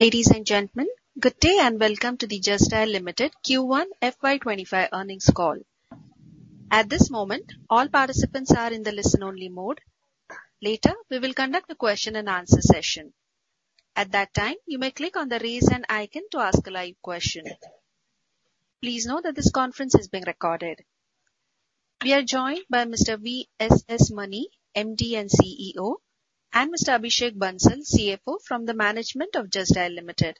Ladies and gentlemen, good day, and welcome to the Just Dial Limited Q1 FY 2025 earnings call. At this moment, all participants are in the listen-only mode. Later, we will conduct a question and answer session. At that time, you may click on the Raise Hand icon to ask a live question. Please note that this conference is being recorded. We are joined by Mr. V.S.S. Mani, MD and CEO, and Mr. Abhishek Bansal, CFO from the management of Just Dial Limited.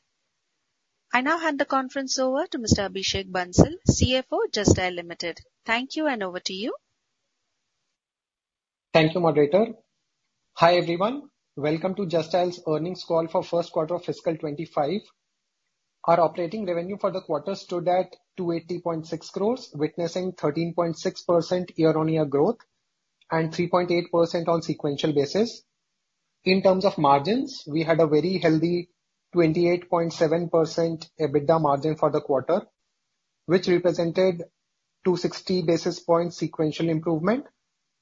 I now hand the conference over to Mr. Abhishek Bansal, CFO, Just Dial Limited. Thank you, and over to you. Thank you, moderator. Hi, everyone. Welcome to Just Dial's earnings call for first quarter of fiscal '25. Our operating revenue for the quarter stood at 280.6 crore, witnessing 13.6% year-over-year growth and 3.8% on sequential basis. In terms of margins, we had a very healthy 28.7% EBITDA margin for the quarter, which represented 260 basis point sequential improvement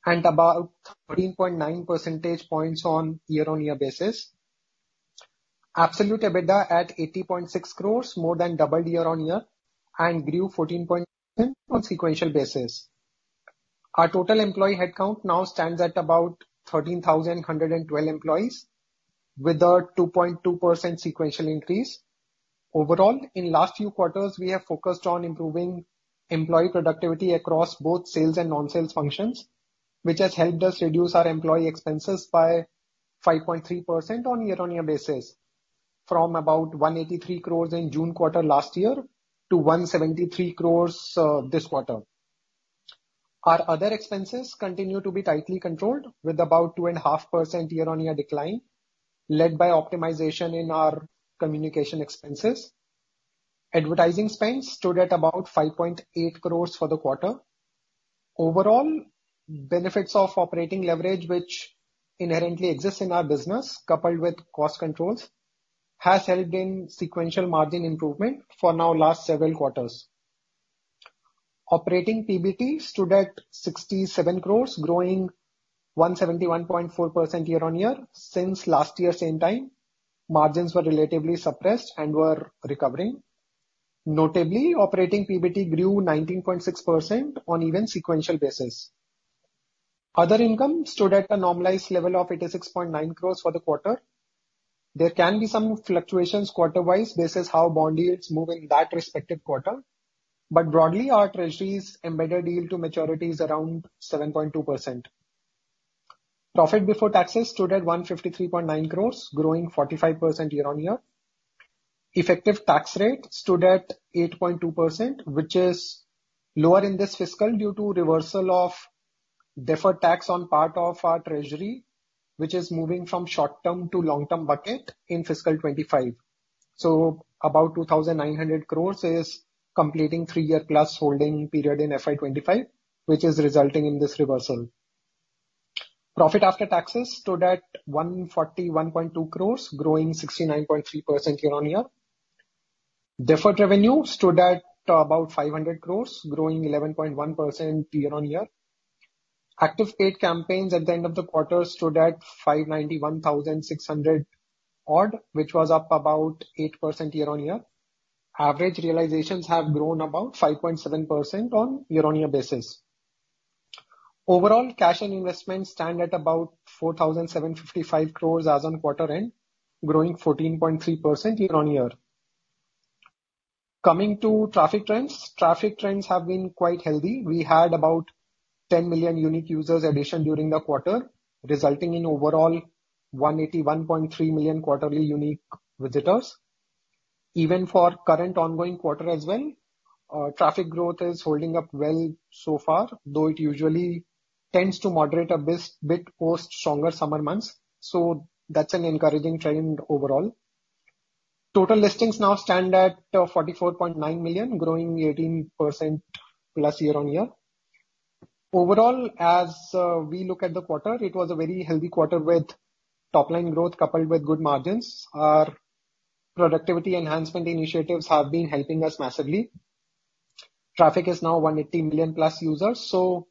and about 13.9 percentage points on year-over-year basis. Absolute EBITDA at 80.6 crore, more than doubled year-over-year, and grew 14.7 on sequential basis. Our total employee headcount now stands at about 13,112 employees, with a 2.2% sequential increase. Overall, in last few quarters, we have focused on improving employee productivity across both sales and non-sales functions, which has helped us reduce our employee expenses by 5.3% on year-on-year basis, from about 183 crore in June quarter last year to 173 crore this quarter. Our other expenses continue to be tightly controlled, with about 2.5% year-on-year decline, led by optimization in our communication expenses. Advertising spend stood at about 5.8 crore for the quarter. Overall, benefits of operating leverage, which inherently exists in our business, coupled with cost controls, has helped in sequential margin improvement for now last several quarters. Operating PBT stood at 67 crore, growing 171.4% year-on-year. Since last year same time, margins were relatively suppressed and were recovering. Notably, operating PBT grew 19.6% on even sequential basis. Other income stood at a normalized level of 86.9 crores for the quarter. There can be some fluctuations quarter-wise, basis how bond yields move in that respective quarter. But broadly, our treasury's embedded yield to maturity is around 7.2%. Profit before taxes stood at 153.9 crores, growing 45% year-on-year. Effective tax rate stood at 8.2%, which is lower in this fiscal due to reversal of deferred tax on part of our treasury, which is moving from short-term to long-term bucket in fiscal 2025. So about 2,900 crores is completing 3-year+ holding period in FY 2025, which is resulting in this reversal. Profit after taxes stood at 141.2 crores, growing 69.3% year-on-year. Deferred revenue stood at about 500 crores, growing 11.1% year-on-year. Active paid campaigns at the end of the quarter stood at 591,600-odd, which was up about 8% year-on-year. Average realizations have grown about 5.7% on year-on-year basis. Overall, cash and investments stand at about 4,755 crores as on quarter end, growing 14.3% year-on-year. Coming to traffic trends, traffic trends have been quite healthy. We had about 10 million unique users addition during the quarter, resulting in overall 181.3 million quarterly unique visitors. Even for current ongoing quarter as well, traffic growth is holding up well so far, though it usually tends to moderate a bit post stronger summer months, so that's an encouraging trend overall. Total listings now stand at 44.9 million, growing 18%+ year-on-year. Overall, as we look at the quarter, it was a very healthy quarter with top line growth, coupled with good margins. Our productivity enhancement initiatives have been helping us massively. Traffic is now 180 million plus users, so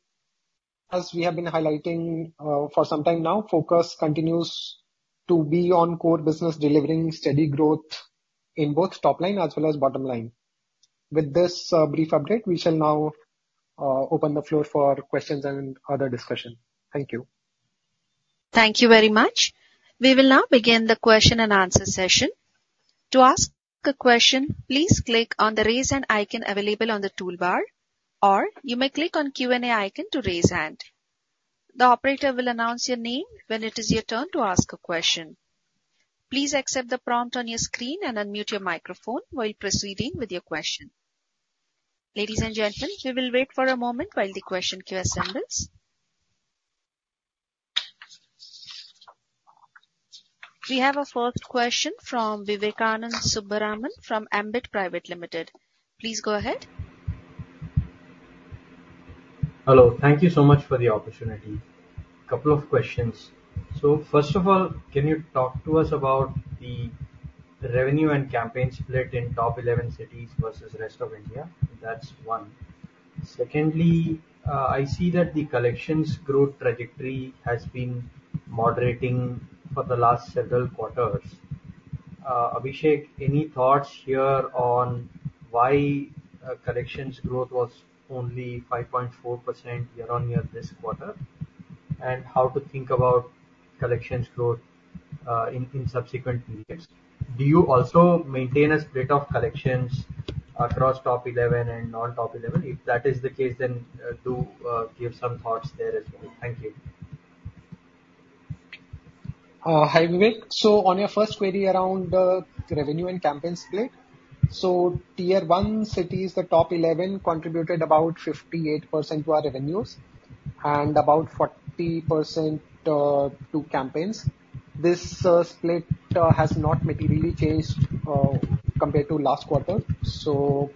as we have been highlighting, for some time now, focus continues to be on core business, delivering steady growth in both top line as well as bottom line. With this, brief update, we shall now open the floor for questions and other discussion. Thank you. Thank you very much. We will now begin the question and answer session. To ask a question, please click on the Raise Hand icon available on the toolbar, or you may click on Q&A icon to raise hand. The operator will announce your name when it is your turn to ask a question. Please accept the prompt on your screen and unmute your microphone while proceeding with your question. Ladies and gentlemen, we will wait for a moment while the question queue assembles. We have our first question from Vivekanand Subbaraman from Ambit Private Limited. Please go ahead. Hello. Thank you so much for the opportunity. Couple of questions. So first of all, can you talk to us about the revenue and campaign split in top eleven cities versus rest of India? That's one. Secondly, I see that the collections growth trajectory has been moderating for the last several quarters. Abhishek, any thoughts here on why collections growth was only 5.4% year-on-year this quarter? And how to think about collections growth in subsequent periods. Do you also maintain a split of collections across top eleven and non-top eleven? If that is the case, then do give some thoughts there as well. Thank you. Hi, Vivek. On your first query around the revenue and campaign split. Tier 1 cities, the top 11, contributed about 58% to our revenues and about 40% to campaigns. This split has not materially changed compared to last quarter, so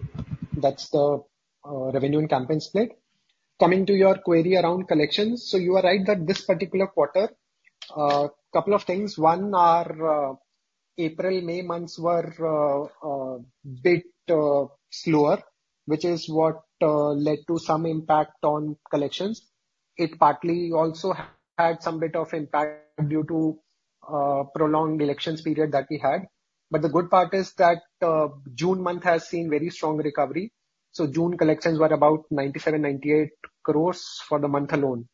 that's the revenue and campaign split. Coming to your query around collections. You are right that this particular quarter, couple of things. One, our April, May months were bit slower, which is what led to some impact on collections. It partly also had some bit of impact due to prolonged elections period that we had. But the good part is that June month has seen very strong recovery. June collections were about 97-98 crore for the month alone.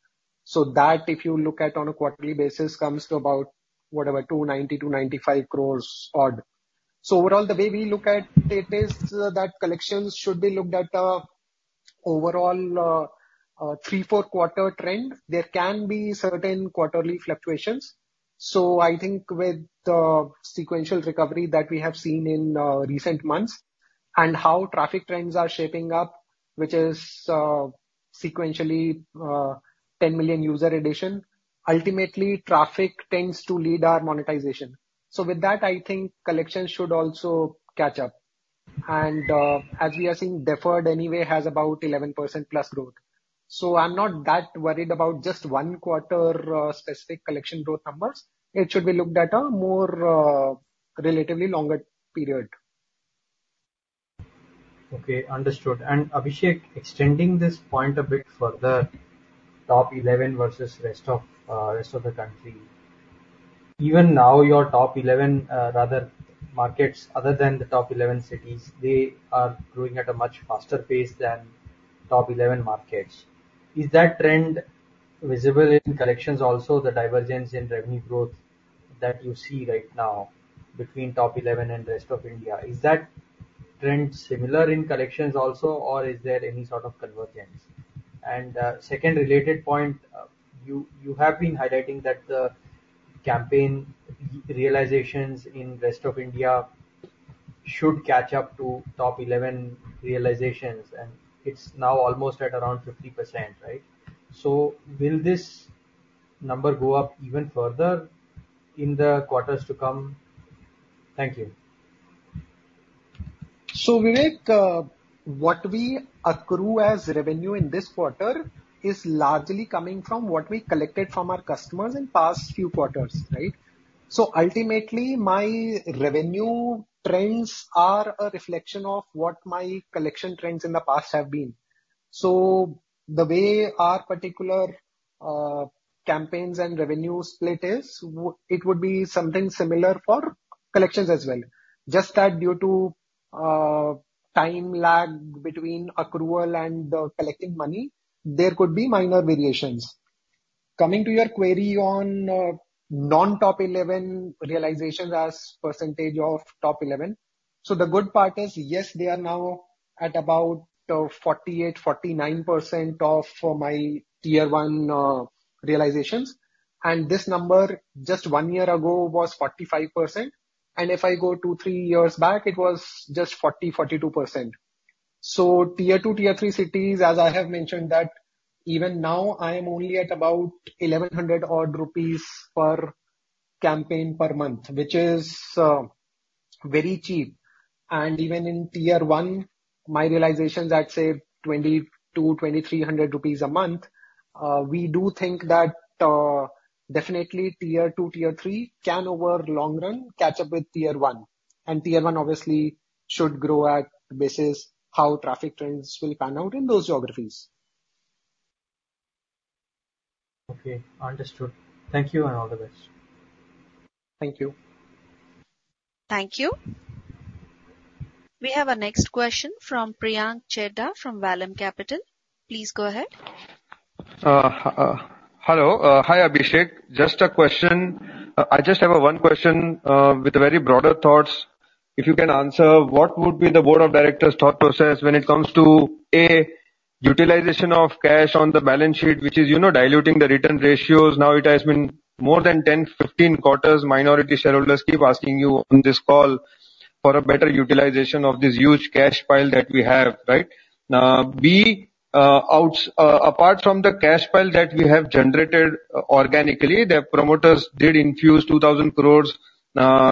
So that, if you look at on a quarterly basis, comes to about, whatever, 290-295 crores odd. So overall, the way we look at it is that collections should be looked at, overall, 3-4 quarter trend. There can be certain quarterly fluctuations. So I think with the sequential recovery that we have seen in, recent months, and how traffic trends are shaping up, which is, sequentially, 10 million user addition, ultimately, traffic tends to lead our monetization. So with that, I think collections should also catch up. And, as we are seeing, deferred anyway, has about 11%+ growth. So I'm not that worried about just one quarter, specific collection growth numbers. It should be looked at a more, relatively longer period. Okay, understood. And Abhishek, extending this point a bit further, top 11 versus rest of the country. Even now, your top 11, rather, markets other than the top 11 cities, they are growing at a much faster pace than top 11 markets. Is that trend visible in collections also, the divergence in revenue growth that you see right now between top 11 and rest of India? Is that trend similar in collections also, or is there any sort of convergence? And, second related point, you have been highlighting that the campaign realizations in rest of India should catch up to top 11 realizations, and it's now almost at around 50%, right? So will this number go up even further in the quarters to come? Thank you. So, Vivek, what we accrue as revenue in this quarter is largely coming from what we collected from our customers in past few quarters, right? So ultimately, my revenue trends are a reflection of what my collection trends in the past have been. So the way our particular campaigns and revenue split is, it would be something similar for collections as well. Just that due to time lag between accrual and collecting money, there could be minor variations. Coming to your query on non-top eleven realizations as percentage of top eleven. So the good part is, yes, they are now at about 48-49% of my Tier 1 realizations. And this number, just one year ago, was 45%. And if I go two, three years back, it was just 40-42%. So Tier 2, Tier 3 cities, as I have mentioned that even now, I am only at about 1,100 odd INR per campaign per month, which is, very cheap. And even in Tier 1, my realizations, I'd say 2,000-2,300 rupees a month. We do think that, definitely, Tier 2, Tier 3 can, over long run, catch up with Tier 1. And Tier 1, obviously, should grow at basis how traffic trends will pan out in those geographies. Okay, understood. Thank you, and all the best. Thank you. Thank you. We have our next question from Priyank Chheda, from Vallum Capital. Please go ahead. Hello. Hi, Abhishek. Just a question. I just have one question, with very broader thoughts, if you can answer: What would be the board of directors' thought process when it comes to, A, utilization of cash on the balance sheet, which is, you know, diluting the return ratios? Now, it has been more than 10, 15 quarters, minority shareholders keep asking you on this call for a better utilization of this huge cash pile that we have, right? B, apart from the cash pile that we have generated organically, the promoters did infuse 2,000 crore,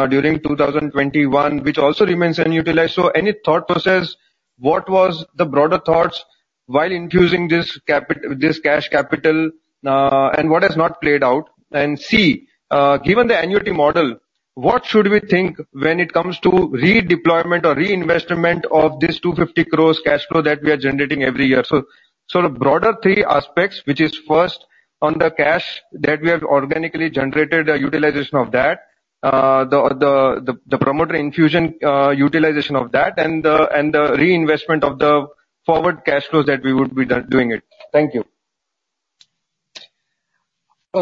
during 2021, which also remains unutilized. So any thought process, what was the broader thoughts while infusing this cash capital, and what has not played out? Given the annuity model, what should we think when it comes to redeployment or reinvestment of this 250 crore cash flow that we are generating every year? So, the broader three aspects, which is first, on the cash that we have organically generated, the utilization of that, the promoter infusion, utilization of that, and the reinvestment of the forward cash flows that we would be done doing it. Thank you.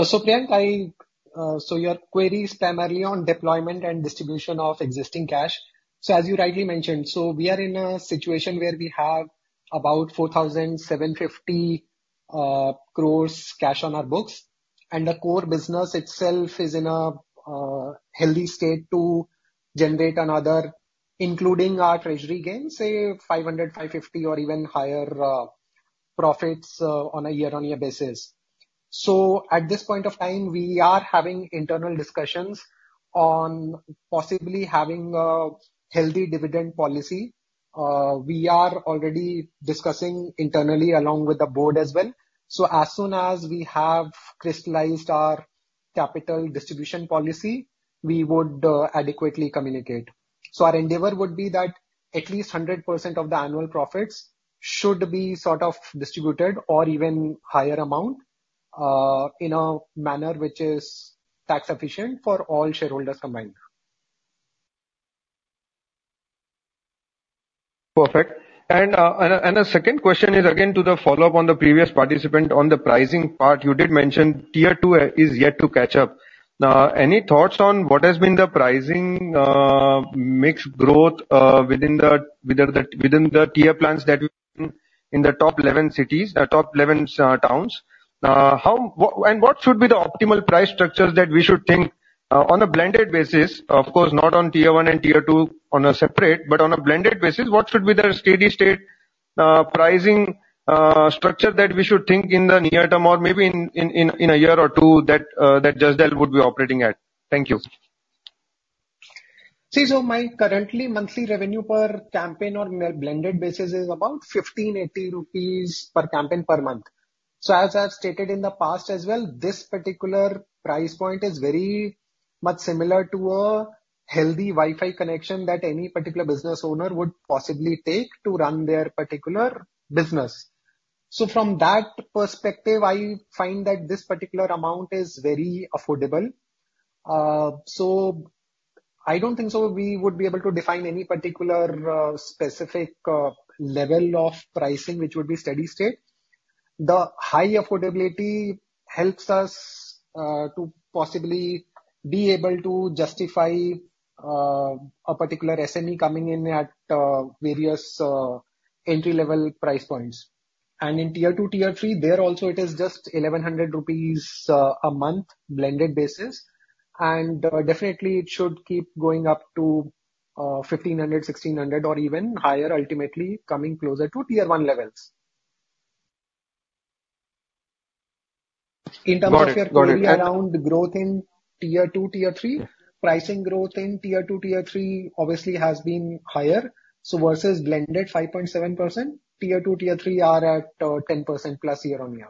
So, Priyank, I, so your query is primarily on deployment and distribution of existing cash. So as you rightly mentioned, so we are in a situation where we have about 4,750 crores cash on our books, and the core business itself is in a healthy state to generate another, including our treasury gain, say 500-550 or even higher profits on a year-on-year basis. So at this point of time, we are having internal discussions on possibly having a healthy dividend policy. We are already discussing internally, along with the board as well. So as soon as we have crystallized our capital distribution policy, we would adequately communicate. Our endeavor would be that at least 100% of the annual profits should be sort of distributed or even higher amount in a manner which is tax efficient for all shareholders combined. Perfect. And the second question is again, to the follow-up on the previous participant on the pricing part. You did mention Tier 2 is yet to catch up. Now, any thoughts on what has been the pricing mix growth within the tier plans that in the top 11 cities, top 11 towns? And what should be the optimal price structure that we should think on a blended basis, of course, not on Tier 1 and Tier 2 on a separate, but on a blended basis, what should be the steady state pricing structure that we should think in the near term or maybe in a year or two, that Just Dial would be operating at? Thank you. See, so my currently monthly revenue per campaign on a blended basis is about 1,580 rupees per campaign per month. So as I've stated in the past as well, this particular price point is very much similar to a healthy Wi-Fi connection that any particular business owner would possibly take to run their particular business. So from that perspective, I find that this particular amount is very affordable. So I don't think so we would be able to define any particular, specific, level of pricing, which would be steady state. The high affordability helps us, to possibly be able to justify, a particular SME coming in at, various, entry-level price points. And in Tier 2, Tier 3, there also it is just 1,100 rupees, a month, blended basis. Definitely, it should keep going up to 1,500, 1,600 or even higher, ultimately coming closer to Tier 1 levels. Got it. Got it. In terms of around growth in Tier 2, Tier 3, pricing growth in Tier 2, Tier 3 obviously has been higher, so versus blended 5.7%, Tier 2, Tier 3 are at 10%+ year-on-year.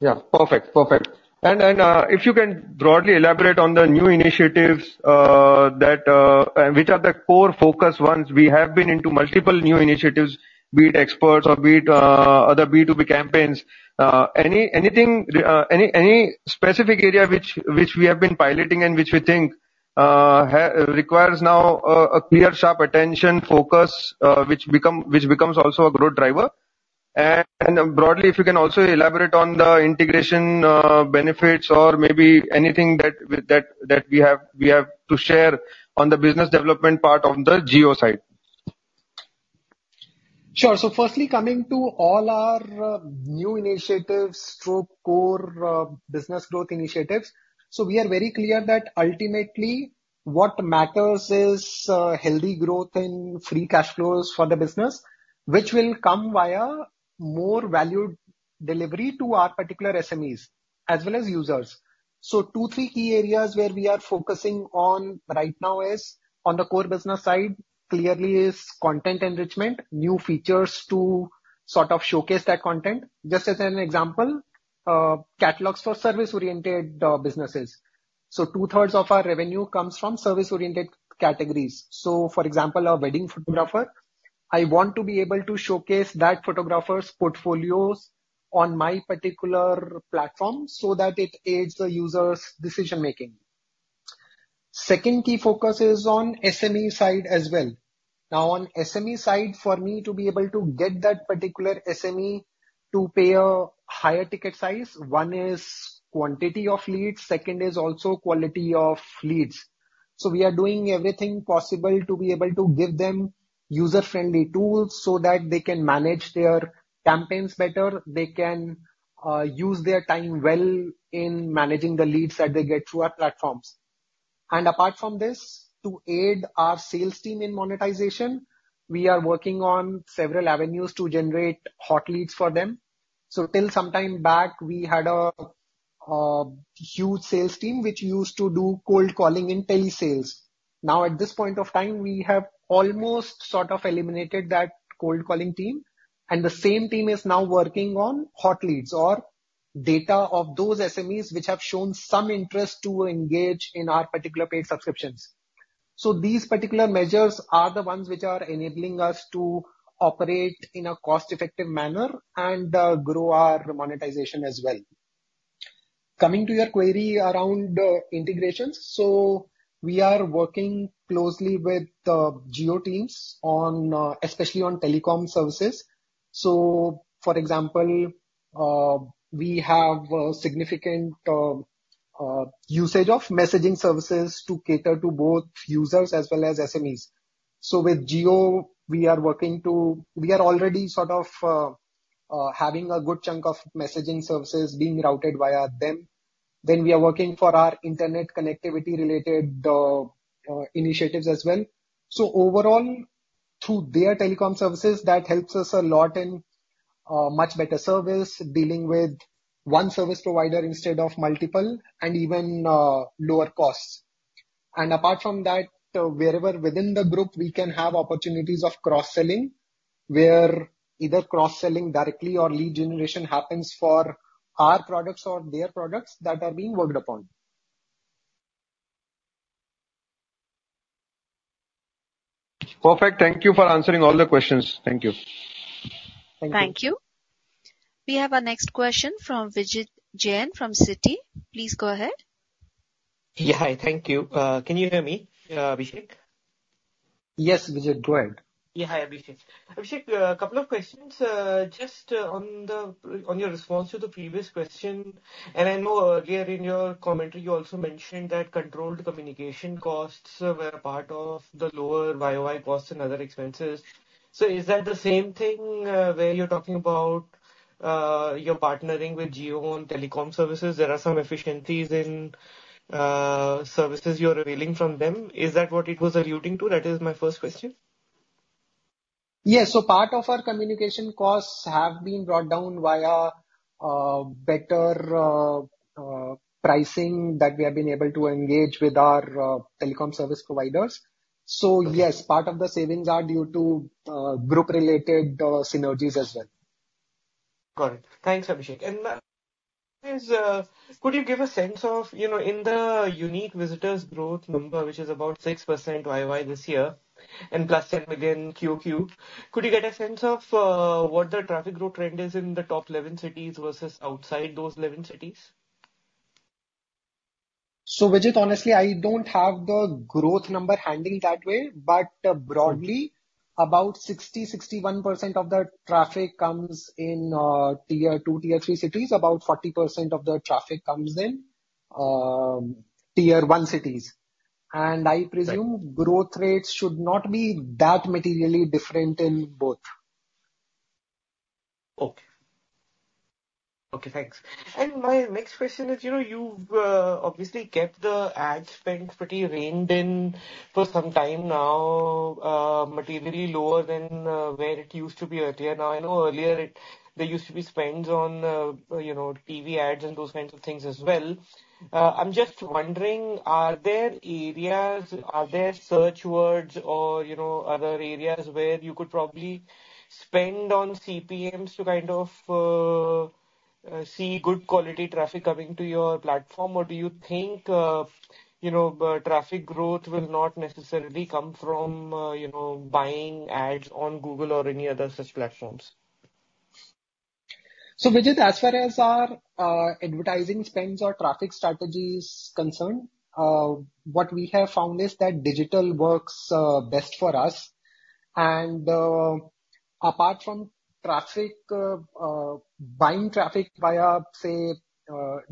Yeah. Perfect. Perfect. And, if you can broadly elaborate on the new initiatives that which are the core focus ones. We have been into multiple new initiatives, be it Xperts or be it other B2B campaigns. Any, anything, any, any specific area which which we have been piloting and which we think requires now a clear, sharp attention, focus, which becomes also a growth driver? And broadly, if you can also elaborate on the integration benefits or maybe anything that with that we have to share on the business development part on the Jio side. Sure. So firstly, coming to all our new initiatives, stroke core business growth initiatives. So we are very clear that ultimately what matters is healthy growth in free cash flows for the business, which will come via more value delivery to our particular SMEs as well as users. So two, three key areas where we are focusing on right now is, on the core business side, clearly is content enrichment, new features to sort of showcase that content. Just as an example, catalogs for service-oriented businesses. So two-thirds of our revenue comes from service-oriented categories. So for example, a wedding photographer, I want to be able to showcase that photographer's portfolios on my particular platform so that it aids the user's decision making. Second key focus is on SME side as well. Now, on SME side, for me to be able to get that particular SME to pay a higher ticket size, one is quantity of leads, second is also quality of leads. So we are doing everything possible to be able to give them user-friendly tools so that they can manage their campaigns better. They can use their time well in managing the leads that they get through our platforms. And apart from this, to aid our sales team in monetization, we are working on several avenues to generate hot leads for them. So till some time back, we had a huge sales team which used to do cold calling in telesales. Now, at this point of time, we have almost sort of eliminated that cold calling team. And the same team is now working on hot leads or data of those SMEs which have shown some interest to engage in our particular paid subscriptions. So these particular measures are the ones which are enabling us to operate in a cost-effective manner and grow our monetization as well. Coming to your query around integrations, so we are working closely with the Jio teams on especially on telecom services. So, for example, we have significant usage of messaging services to cater to both users as well as SMEs. So with Jio, we are already sort of having a good chunk of messaging services being routed via them. Then we are working for our internet connectivity related initiatives as well. So overall, through their telecom services, that helps us a lot in much better service, dealing with one service provider instead of multiple, and even lower costs. And apart from that, wherever within the group, we can have opportunities of cross-selling, where either cross-selling directly or lead generation happens for our products or their products that are being worked upon. Perfect. Thank you for answering all the questions. Thank you. Thank you. We have our next question from Vijit Jain from Citi. Please go ahead. Yeah, hi. Thank you. Can you hear me, Abhishek? Yes, Vijit, go ahead. Yeah, hi, Abhishek. Abhishek, a couple of questions. Just on your response to the previous question, and I know earlier in your commentary, you also mentioned that controlled communication costs were part of the lower YOY costs and other expenses. So is that the same thing, where you're talking about, you're partnering with Jio on telecom services? There are some efficiencies in services you're availing from them. Is that what it was alluding to? That is my first question. Yes. So part of our communication costs have been brought down via, better, pricing that we have been able to engage with our, telecom service providers. So yes, part of the savings are due to, group-related, synergies as well. Got it. Thanks, Abhishek. Could you give a sense of, you know, in the unique visitors growth number, which is about 6% YOY this year, and +7% again, QOQ, could you get a sense of what the traffic growth trend is in the top 11 cities versus outside those 11 cities? So, Vijit, honestly, I don't have the growth number handy that way, but broadly, about 60-61% of the traffic comes in Tier 2, Tier 3 cities. About 40% of the traffic comes in Tier 1 cities. Right. I presume growth rates should not be that materially different in both. Okay. Okay, thanks. And my next question is, you know, you've obviously kept the ad spend pretty reined in for some time now, materially lower than where it used to be earlier. Now, I know earlier it-- there used to be spends on, you know, TV ads and those kinds of things as well. I'm just wondering, are there areas, are there search words or, you know, other areas where you could probably spend on CPMs to kind of see good quality traffic coming to your platform? Or do you think, you know, traffic growth will not necessarily come from, you know, buying ads on Google or any other such platforms? So, Vijit, as far as our advertising spends or traffic strategy is concerned, what we have found is that digital works best for us. Apart from traffic, buying traffic via, say,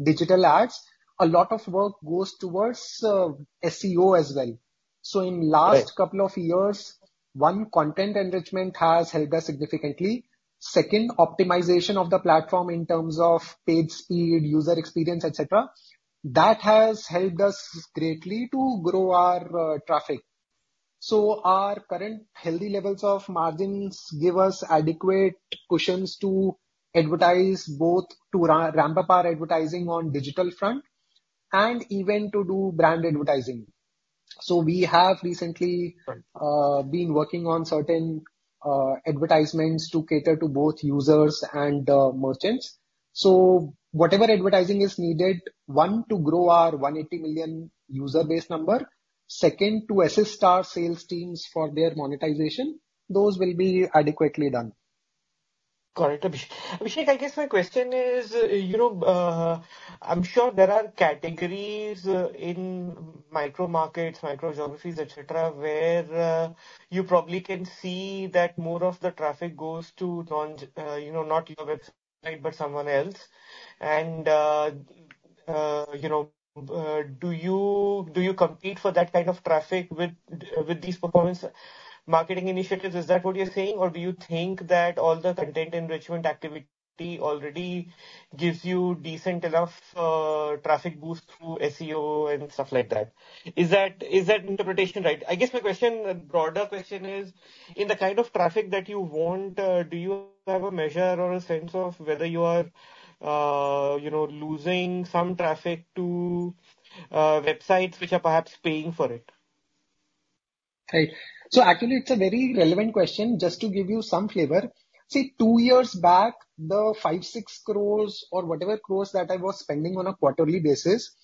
digital ads, a lot of work goes towards SEO as well. Right. So in last couple of years, one, content enrichment has helped us significantly. Second, optimization of the platform in terms of page speed, user experience, et cetera, that has helped us greatly to grow our traffic. So our current healthy levels of margins give us adequate cushions to advertise both to ramp up our advertising on digital front and even to do brand advertising. So we have recently- Right... been working on certain advertisements to cater to both users and merchants. So whatever advertising is needed, one, to grow our 180 million user base number, second, to assist our sales teams for their monetization, those will be adequately done. Got it, Abhishek. Abhishek, I guess my question is, you know, I'm sure there are categories in micro markets, micro geographies, et cetera, where you probably can see that more of the traffic goes to, you know, not your website, but someone else. You know, do you, do you compete for that kind of traffic with, with these performance marketing initiatives? Is that what you're saying? Or do you think that all the content enrichment activity already gives you decent enough, traffic boost through SEO and stuff like that? Is that, is that interpretation right? I guess my question, broader question is, in the kind of traffic that you want, do you have a measure or a sense of whether you are, you know, losing some traffic to, websites which are perhaps paying for it? Right. So actually, it's a very relevant question. Just to give you some flavor, see, two years back, the 5-6 crore or whatever crores that I was spending on a quarterly basis,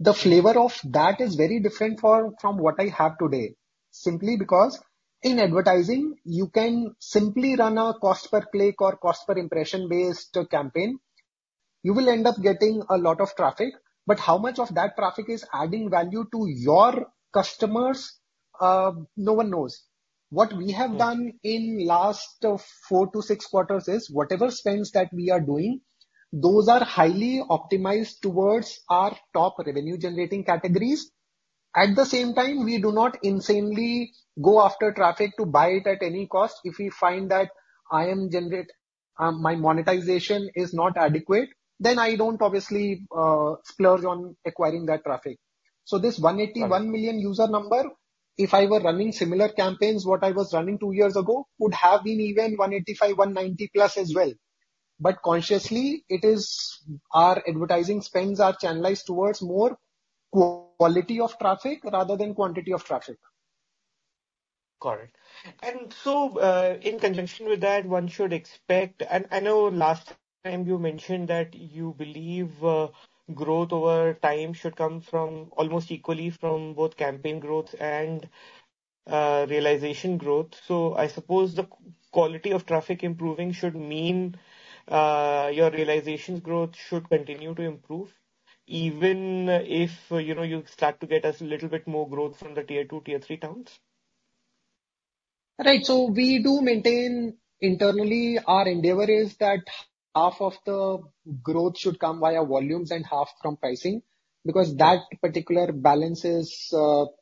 the flavor of that is very different from what I have today, simply because in advertising, you can simply run a cost per click or cost per impression-based campaign. You will end up getting a lot of traffic, but how much of that traffic is adding value to your customers, no one knows. What we have done in last 4-6 quarters is, whatever spends that we are doing, those are highly optimized towards our top revenue-generating categories. At the same time, we do not insanely go after traffic to buy it at any cost. If we find that my monetization is not adequate, then I don't obviously splurge on acquiring that traffic. So this 181 million user number, if I were running similar campaigns what I was running two years ago, would have been even 185, 190 plus as well. But consciously, it is our advertising spends are channelized towards more quality of traffic rather than quantity of traffic. Got it. And so, in conjunction with that, one should expect... I know last time you mentioned that you believe growth over time should come from almost equally from both campaign growth and realization growth. So I suppose the quality of traffic improving should mean your realization growth should continue to improve, even if, you know, you start to get us a little bit more growth from the Tier 2, Tier 3 towns? Right. So we do maintain internally, our endeavor is that half of the growth should come via volumes and half from pricing, because that particular balance is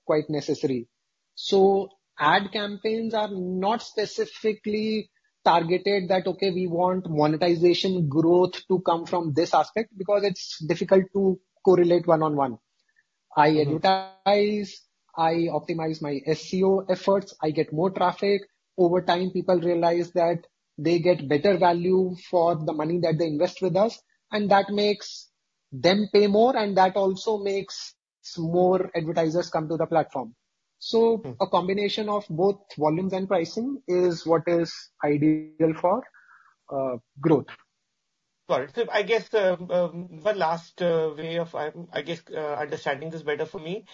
quite necessary. So ad campaigns are not specifically targeted that, okay, we want monetization growth to come from this aspect, because it's difficult to correlate one-on-one. I advertise, I optimize my SEO efforts, I get more traffic. Over time, people realize that they get better value for the money that they invest with us, and that makes them pay more, and that also makes more advertisers come to the platform. Mm. A combination of both volumes and pricing is what is ideal for growth. Got it. So I guess, the last way of, I guess, understanding this better for me,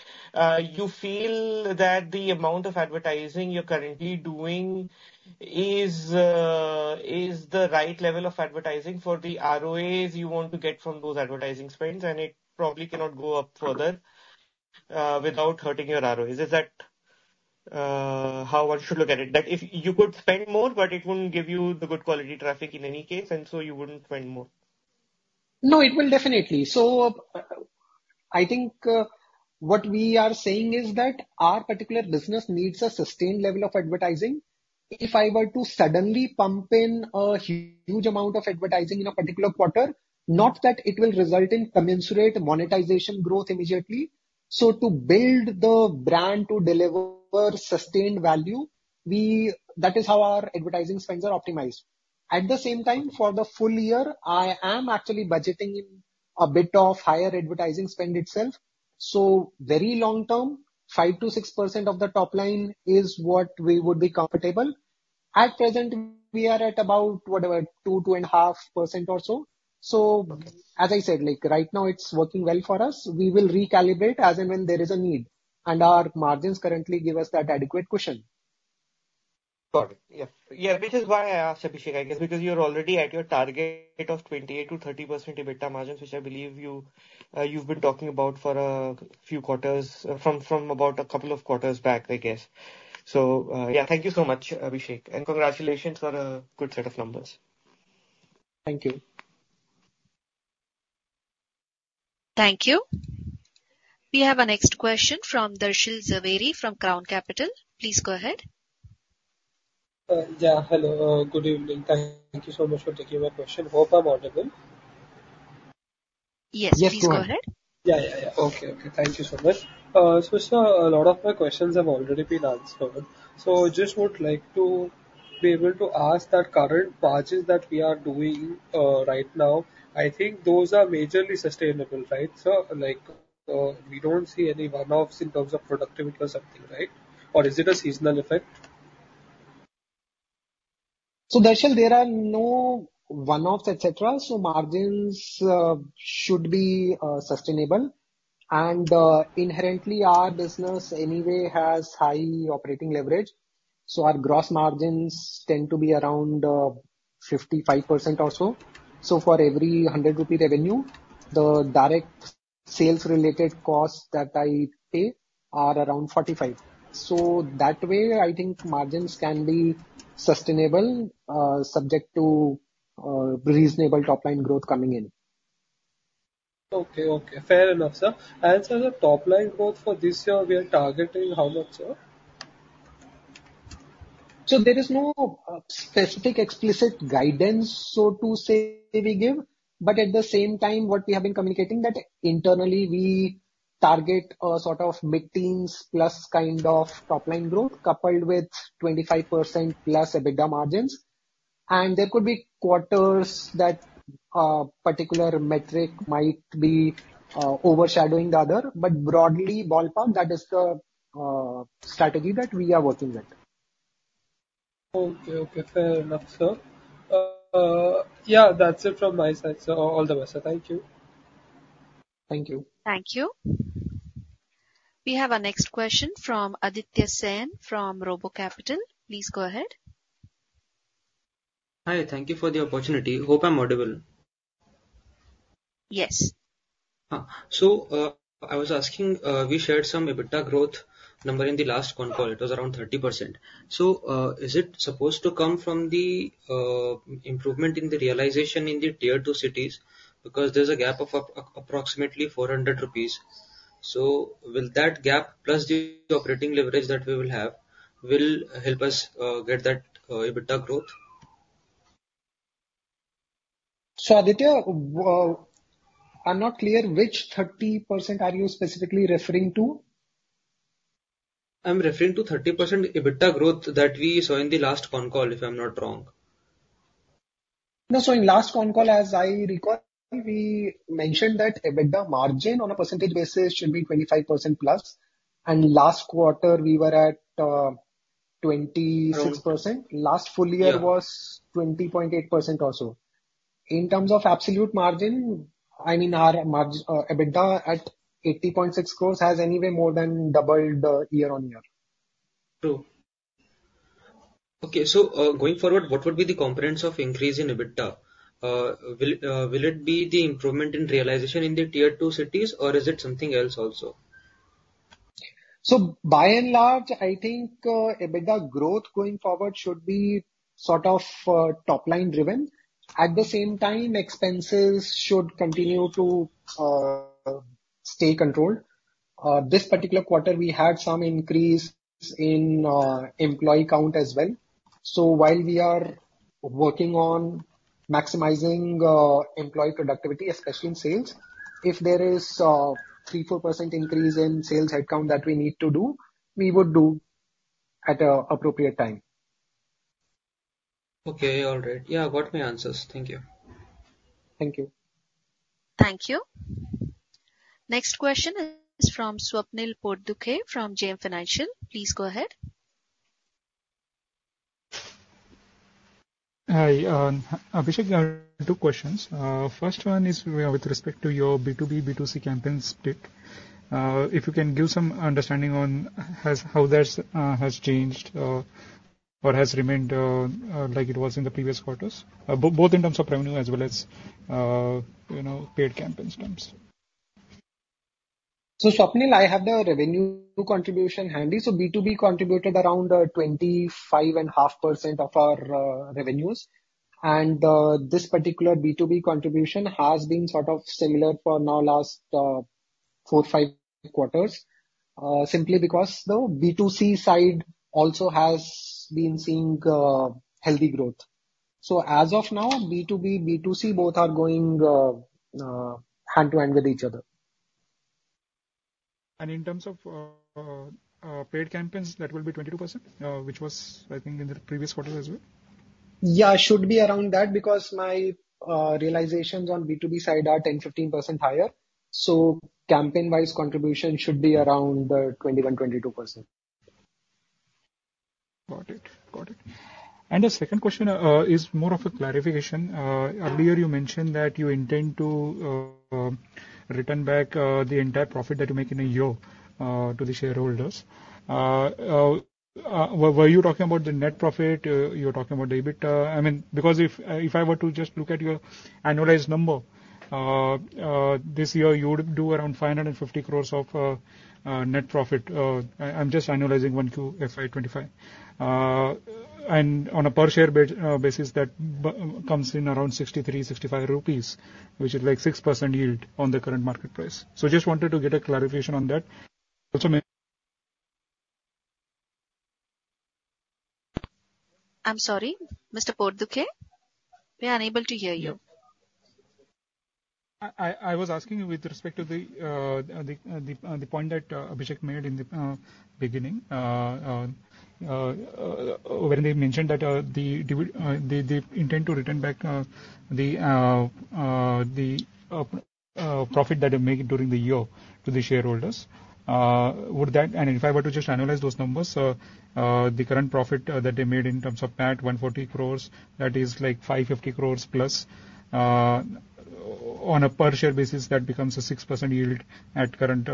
you feel that the amount of advertising you're currently doing is the right level of advertising for the ROAS you want to get from those advertising spends, and it probably cannot go up further, without hurting your ROAS. Is that how one should look at it? That if you could spend more, but it wouldn't give you the good quality traffic in any case, and so you wouldn't spend more. No, it will definitely. So, I think what we are saying is that our particular business needs a sustained level of advertising. If I were to suddenly pump in a huge amount of advertising in a particular quarter, not that it will result in commensurate monetization growth immediately. So to build the brand to deliver sustained value, we, that is how our advertising spends are optimized. At the same time, for the full year, I am actually budgeting in a bit of higher advertising spend itself. So very long term, 5%-6% of the top line is what we would be comfortable. At present, we are at about, whatever, 2%-2.5% or so. So as I said, like, right now, it's working well for us. We will recalibrate as and when there is a need, and our margins currently give us that adequate cushion. Got it. Yeah. Yeah, which is why I asked, Abhishek, I guess, because you're already at your target of 28%-30% EBITDA margins, which I believe you, you've been talking about for a few quarters, from about a couple of quarters back, I guess. So, yeah, thank you so much, Abhishek, and congratulations on a good set of numbers. Thank you. Thank you. We have our next question from Darshil Jhaveri, from Crown Capital. Please go ahead. Yeah, hello. Good evening. Thank you so much for taking my question. Hope I'm audible? Yes- Yes, go ahead. Please go ahead. Yeah, yeah, yeah. Okay, okay. Thank you so much. So sir, a lot of my questions have already been answered. So just would like to be able to ask that current margins that we are doing, right now, I think those are majorly sustainable, right, sir? Like, we don't see any one-offs in terms of productivity or something, right? Or is it a seasonal effect? So, Darshil, there are no one-offs, et cetera, so margins should be sustainable. Inherently, our business anyway has high operating leverage, so our gross margins tend to be around 55% or so. For every 100 rupee revenue, the direct sales-related costs that I pay are around 45. That way, I think margins can be sustainable, subject to reasonable top-line growth coming in. Okay, okay. Fair enough, sir. Sir, the top line growth for this year, we are targeting how much, sir? There is no specific explicit guidance, so to say, we give, but at the same time, what we have been communicating, that internally we target a sort of mid-teens+ kind of top-line growth, coupled with 25%+ EBITDA margins. There could be quarters that particular metric might be overshadowing the other, but broadly, ballpark, that is the strategy that we are working with. Okay. Okay, fair enough, sir. Yeah, that's it from my side, sir. All the best, sir. Thank you. Thank you. Thank you. We have our next question from Aditya Sen, from RoboCapital. Please go ahead. Hi, thank you for the opportunity. Hope I'm audible. Yes. So, I was asking, we shared some EBITDA growth number in the last con call, it was around 30%. So, is it supposed to come from the improvement in the realization in the Tier 2 cities? Because there's a gap of approximately 400 rupees. So will that gap, plus the operating leverage that we will have, will help us get that EBITDA growth? Aditya, I'm not clear which 30% are you specifically referring to? I'm referring to 30% EBITDA growth that we saw in the last conf call, if I'm not wrong. No, so in last con call, as I recall, we mentioned that EBITDA margin on a percentage basis should be 25%+, and last quarter, we were at 26%. Yeah. Last full year was 20.8% or so. In terms of absolute margin, I mean, our EBITDA at 80.6 crores has anyway more than doubled year-on-year. True. Okay, so, going forward, what would be the components of increase in EBITDA? Will it be the improvement in realization in the Tier 2 cities, or is it something else also? So by and large, I think, EBITDA growth going forward should be sort of, top-line driven. At the same time, expenses should continue to, stay controlled. This particular quarter, we had some increase in, employee count as well. So while we are working on maximizing, employee productivity, especially in sales, if there is, 3%-4% increase in sales headcount that we need to do, we would do at an appropriate time. Okay. All right. Yeah, I got my answers. Thank you. Thank you. Thank you. Next question is from Swapnil Potdukhe, from JM Financial. Please go ahead. Hi, Abhishek, I have two questions. First one is with respect to your B2B, B2C campaign split. If you can give some understanding on how that has changed, or has remained like it was in the previous quarters, both in terms of revenue as well as, you know, paid campaigns terms. So, Swapnil, I have the revenue contribution handy. B2B contributed around 25.5% of our revenues. This particular B2B contribution has been sort of similar for now last 4, 5 quarters. Simply because the B2C side also has been seeing healthy growth. So as of now, B2B, B2C, both are going hand-in-hand with each other. In terms of paid campaigns, that will be 22%, which was, I think, in the previous quarter as well? Yeah, should be around that, because my realizations on B2B side are 10-15% higher, so campaign-wise, contribution should be around 21-22%. Got it. Got it. The second question is more of a clarification. Earlier you mentioned that you intend to return back the entire profit that you make in a year to the shareholders. Were you talking about the net profit? You were talking about EBITDA? I mean, because if I were to just look at your annualized number this year, you would do around 550 crores of net profit. I'm just annualizing Q1 to FY 2025. And on a per share basis, that comes in around 63-65 rupees, which is like 6% yield on the current market price. So just wanted to get a clarification on that. Also ma- I'm sorry, Mr. Potdukhe, we are unable to hear you. I was asking you with respect to the point that Abhishek made in the beginning. When he mentioned that the divi- they intend to return back the profit that they're making during the year to the shareholders. Would that... And if I were to just analyze those numbers, the current profit that they made in terms of PAT 140 crores, that is like 550 crores plus, on a per share basis, that becomes a 6% yield at current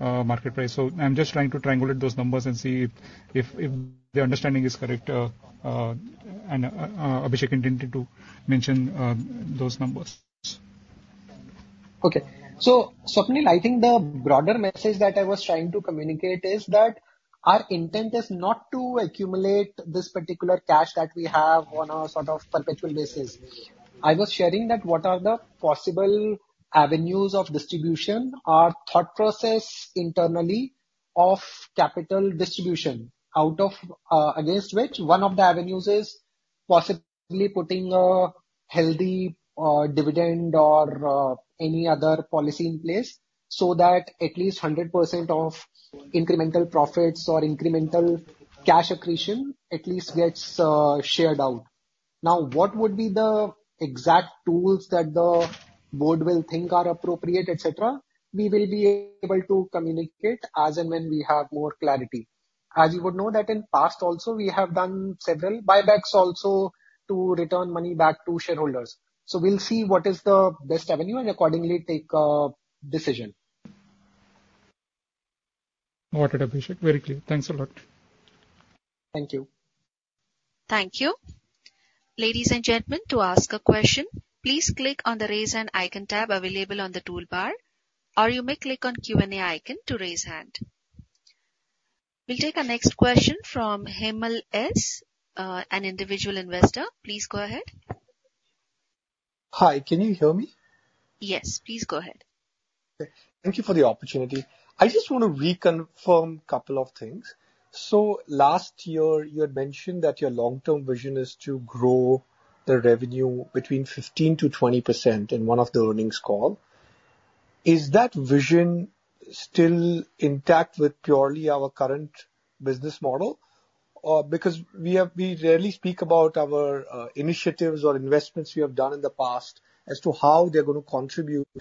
market price. So I'm just trying to triangulate those numbers and see if the understanding is correct, and Abhishek intended to mention those numbers. Okay. So, Swapnil, I think the broader message that I was trying to communicate is that our intent is not to accumulate this particular cash that we have on a sort of perpetual basis. I was sharing that what are the possible avenues of distribution, our thought process internally of capital distribution out of, against which one of the avenues is possibly putting a healthy dividend or any other policy in place, so that at least 100% of incremental profits or incremental cash accretion at least gets shared out. Now, what would be the exact tools that the board will think are appropriate, etc., we will be able to communicate as and when we have more clarity. As you would know, that in past also, we have done several buybacks also to return money back to shareholders. We'll see what is the best avenue, and accordingly take a decision. Got it, Abhishek. Very clear. Thanks a lot. Thank you. Thank you. Ladies and gentlemen, to ask a question, please click on the Raise Hand icon tab available on the toolbar, or you may click on Q&A icon to raise hand. We'll take our next question from Hemal S., an individual investor. Please go ahead. Hi, can you hear me? Yes. Please go ahead. Okay. Thank you for the opportunity. I just want to reconfirm couple of things. So last year, you had mentioned that your long-term vision is to grow the revenue between 15%-20% in one of the earnings call. Is that vision still intact with purely our current business model? Or because we have-- we rarely speak about our initiatives or investments you have done in the past, as to how they're going to contribute,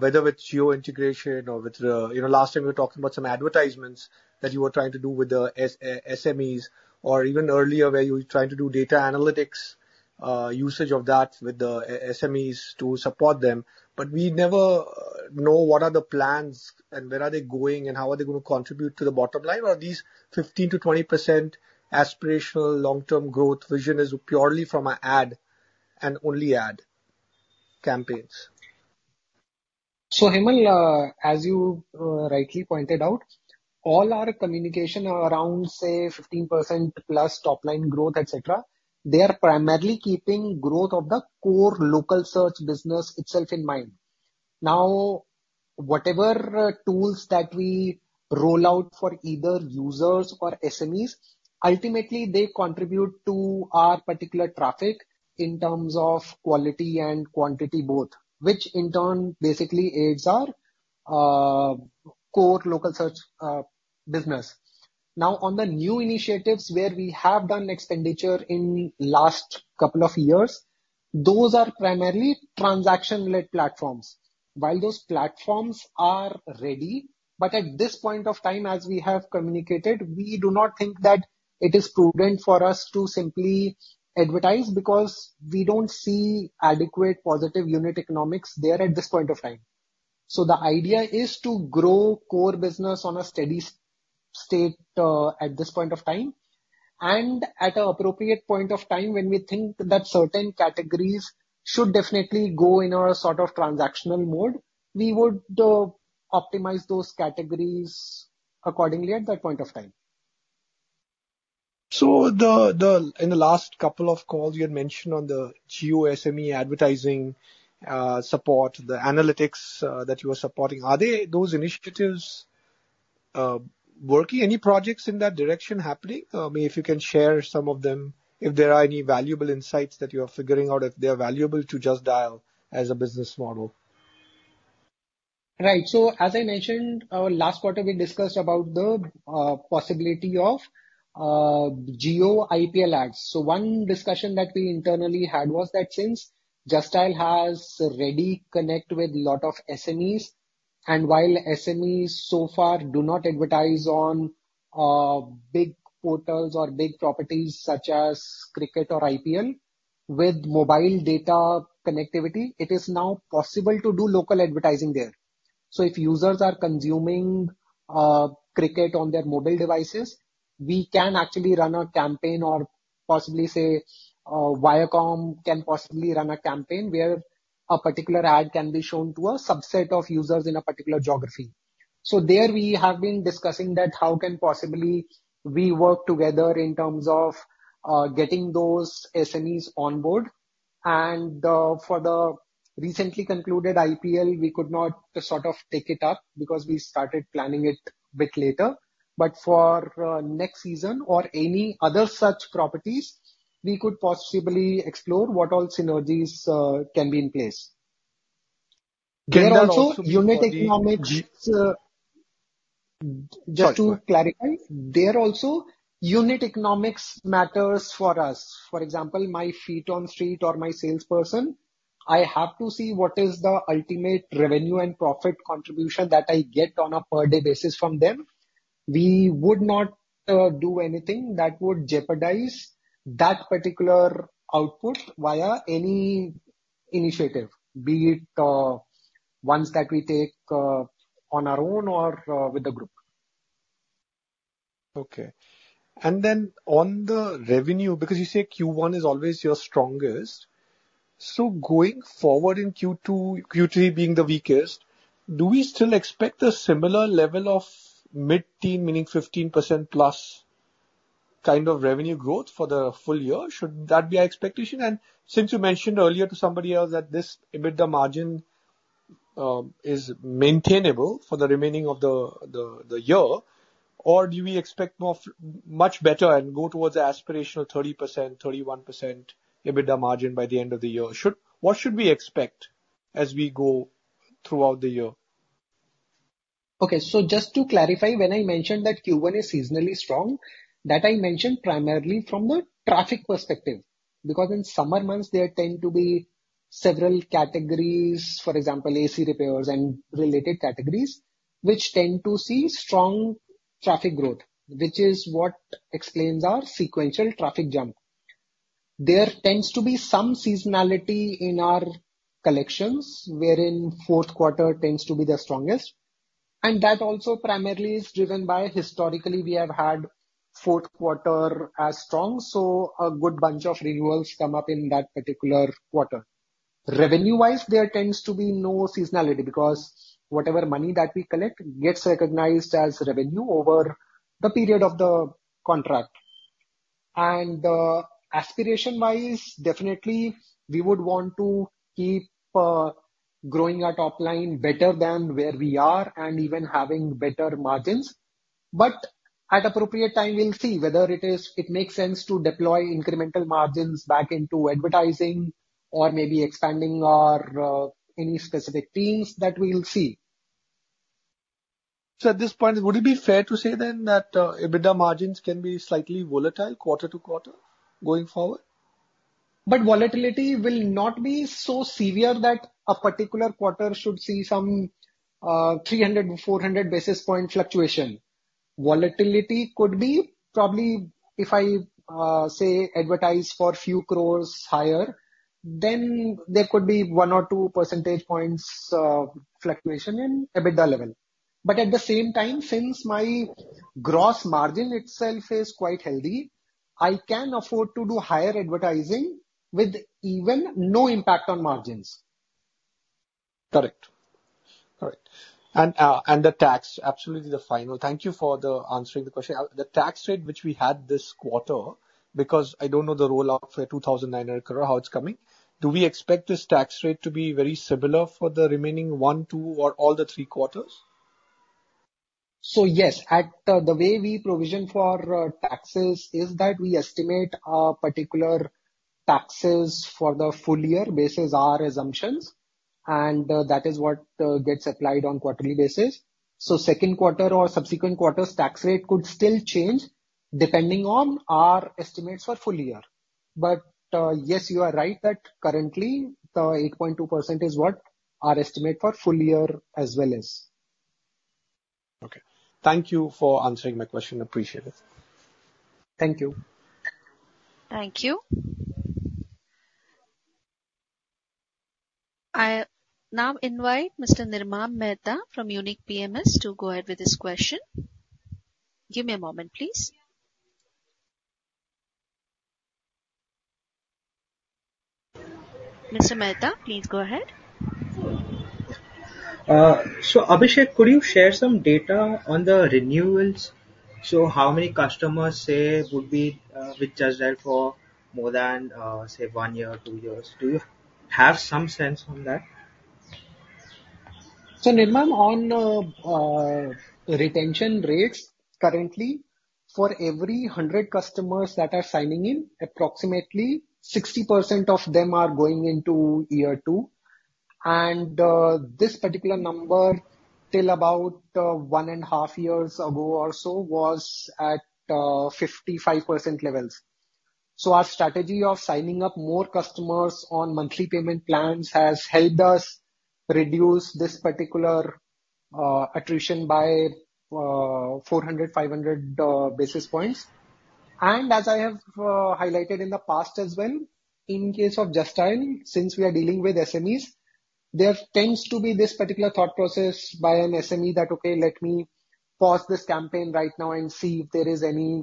whether it's Jio integration or with. You know, last time you were talking about some advertisements that you were trying to do with the SMEs, or even earlier, where you were trying to do data analytics, usage of that with the SMEs to support them. We never know what are the plans and where are they going, and how are they going to contribute to the bottom line. Are these 15%-20% aspirational long-term growth vision is purely from an ad, and only ad campaigns? So, Hemal, as you rightly pointed out, all our communication around, say, 15%+ top line growth, et cetera, they are primarily keeping growth of the core local search business itself in mind. Now, whatever tools that we roll out for either users or SMEs, ultimately, they contribute to our particular traffic in terms of quality and quantity both, which in turn basically aids our core local search business. Now, on the new initiatives where we have done expenditure in last couple of years, those are primarily transaction-led platforms. While those platforms are ready, but at this point of time, as we have communicated, we do not think that it is prudent for us to simply advertise, because we don't see adequate positive unit economics there at this point of time. So the idea is to grow core business on a steady state at this point of time. And at an appropriate point of time, when we think that certain categories should definitely go in a sort of transactional mode, we would optimize those categories accordingly at that point of time. In the last couple of calls you had mentioned on the Jio SME advertising support, the analytics that you were supporting. Are those initiatives working? Any projects in that direction happening? Maybe if you can share some of them, if there are any valuable insights that you are figuring out, if they are valuable to Just Dial as a business model. Right. So as I mentioned, last quarter, we discussed about the possibility of Jio IPL Ads. So one discussion that we internally had was that since Just Dial has already connected with a lot of SMEs, and while SMEs so far do not advertise on big portals or big properties such as cricket or IPL, with mobile data connectivity, it is now possible to do local advertising there. So if users are consuming cricket on their mobile devices, we can actually run a campaign or possibly say, Viacom can possibly run a campaign, where a particular ad can be shown to a subset of users in a particular geography. So there we have been discussing that how can possibly we work together in terms of getting those SMEs on board. For the recently concluded IPL, we could not sort of take it up because we started planning it a bit later. For next season or any other such properties, we could possibly explore what all synergies can be in place. There are also- There are also unit economics. Just to clarify, there also, unit economics matters for us. For example, my feet on street or my salesperson, I have to see what is the ultimate revenue and profit contribution that I get on a per-day basis from them. We would not do anything that would jeopardize that particular output via any initiative, be it ones that we take on our own or with the group. Okay. Then on the revenue, because you say Q1 is always your strongest, so going forward in Q2, Q3 being the weakest, do we still expect a similar level of mid-teen, meaning 15% plus, kind of revenue growth for the full year? Should that be our expectation? And since you mentioned earlier to somebody else that this EBITDA margin is maintainable for the remaining of the year, or do we expect more, much better and go towards the aspirational 30%, 31% EBITDA margin by the end of the year? What should we expect as we go throughout the year? Okay, so just to clarify, when I mentioned that Q1 is seasonally strong, that I mentioned primarily from the traffic perspective. Because in summer months, there tend to be several categories, for example, AC repairs and related categories, which tend to see strong traffic growth, which is what explains our sequential traffic jump. There tends to be some seasonality in our collections, wherein fourth quarter tends to be the strongest, and that also primarily is driven by historically we have had fourth quarter as strong, so a good bunch of renewals come up in that particular quarter. Revenue-wise, there tends to be no seasonality, because whatever money that we collect gets recognized as revenue over the period of the contract. And, aspiration-wise, definitely we would want to keep growing our top line better than where we are, and even having better margins. But at appropriate time, we'll see whether it makes sense to deploy incremental margins back into advertising or maybe expanding our any specific teams, that we will see. At this point, would it be fair to say then that EBITDA margins can be slightly volatile quarter to quarter going forward? But volatility will not be so severe that a particular quarter should see some 300-400 basis point fluctuation. Volatility could be probably, if I say, advertise for a few crores higher, then there could be 1 or 2 percentage points fluctuation in EBITDA level. But at the same time, since my gross margin itself is quite healthy, I can afford to do higher advertising with even no impact on margins. Correct. Correct. And the tax, absolutely the final. Thank you for the answering the question. The tax rate, which we had this quarter, because I don't know the roll-off for 2,900 crore, how it's coming, do we expect this tax rate to be very similar for the remaining one, two, or all the three quarters? So yes, the way we provision for taxes is that we estimate our particular taxes for the full year basis, our assumptions, and that is what gets applied on quarterly basis. So second quarter or subsequent quarters, tax rate could still change depending on our estimates for full year. But yes, you are right that currently, the 8.2% is what our estimate for full year as well is. Okay. Thank you for answering my question. Appreciate it. Thank you. Thank you. I now invite Mr. Nirmam Mehta from Unique PMS to go ahead with his question. Give me a moment, please. Mr. Mehta, please go ahead. Abhishek, could you share some data on the renewals? So how many customers, say, would be with Just Dial for more than, say, one year, two years? Do you have some sense on that? So, Nirmam, on retention rates currently, for every 100 customers that are signing in, approximately 60% of them are going into year 2. And, this particular number, till about 1.5 years ago or so, was at 55% levels. So our strategy of signing up more customers on monthly payment plans has helped us reduce this particular attrition by 400-500 basis points. And as I have highlighted in the past as well, in case of Just Dial, since we are dealing with SMEs, there tends to be this particular thought process by an SME that, "Okay, let me pause this campaign right now and see if there is any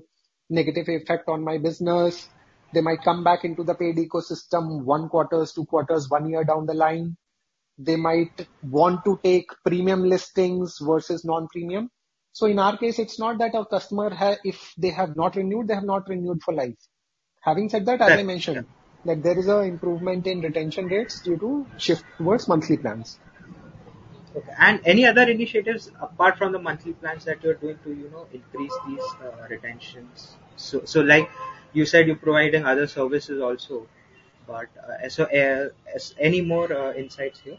negative effect on my business." They might come back into the paid ecosystem 1 quarter, 2 quarters, 1 year down the line. They might want to take premium listings versus non-premium. So in our case, it's not that our customer has, if they have not renewed, they have not renewed for life. Having said that, as I mentioned, that there is an improvement in retention rates due to shift towards monthly plans. Okay. And any other initiatives apart from the monthly plans that you're doing to, you know, increase these retentions? So, like you said, you're providing other services also, but, so, any more insights here?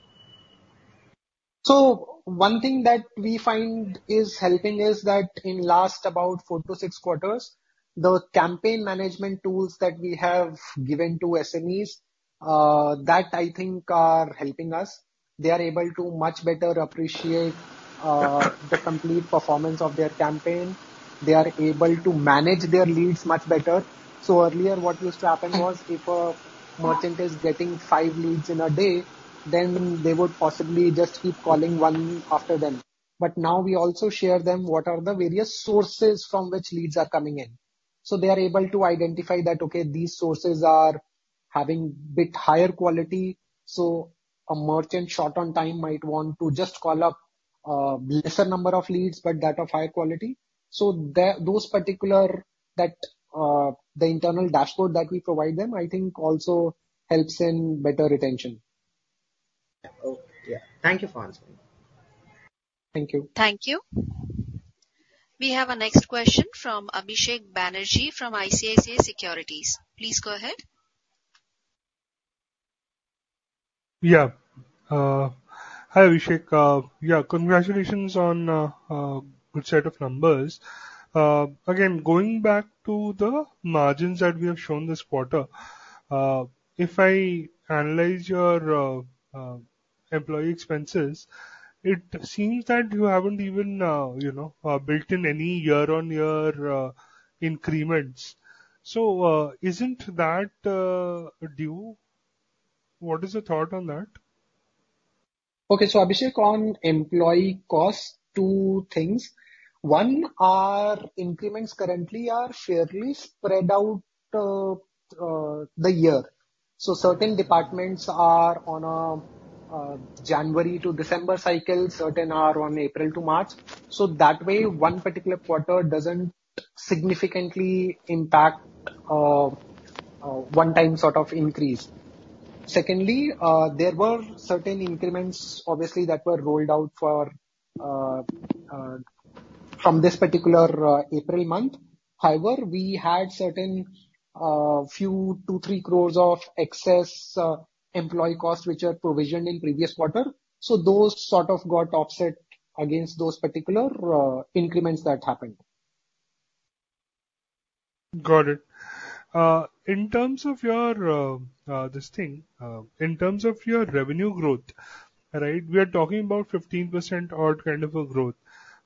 So one thing that we find is helping is that in last about four to six quarters, the campaign management tools that we have given to SMEs, that I think are helping us. They are able to much better appreciate the complete performance of their campaign. They are able to manage their leads much better. So earlier, what used to happen was, if a merchant is getting five leads in a day, then they would possibly just keep calling one after them. But now we also share them what are the various sources from which leads are coming in. So they are able to identify that, okay, these sources are having a bit higher quality, so a merchant short on time might want to just call up lesser number of leads, but that of higher quality. So those particular, that the internal dashboard that we provide them, I think also helps in better retention. Oh, yeah. Thank you for answering. Thank you. Thank you. We have our next question from Abhishek Banerjee from ICICI Securities. Please go ahead. Yeah. Hi, Abhishek. Yeah, congratulations on good set of numbers. Again, going back to the margins that we have shown this quarter, if I analyze your employee expenses, it seems that you haven't even, you know, built in any year-on-year increments. So, isn't that due? What is your thought on that? Okay, so Abhishek, on employee costs, two things. One, our increments currently are fairly spread out, the year. So certain departments are on a January to December cycle, certain are on April to March. So that way, one particular quarter doesn't significantly impact, one time sort of increase. Secondly, there were certain increments, obviously, that were rolled out for from this particular April month. However, we had certain few, 2-3 crores of excess employee costs, which are provisioned in previous quarter, so those sort of got offset against those particular increments that happened. Got it. In terms of your this thing, in terms of your revenue growth, right? We are talking about 15% odd kind of a growth.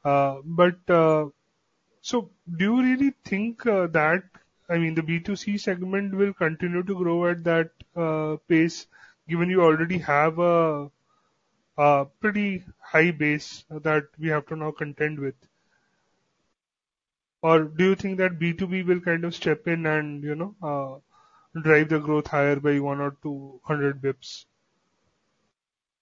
But... So do you really think that, I mean, the B2C segment will continue to grow at that pace, given you already have a pretty high base that we have to now contend with? Or do you think that B2B will kind of step in and, you know, drive the growth higher by 100 or 200 basis points?